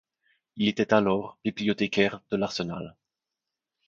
Il était alors bibliothécaire de l’Arsenal.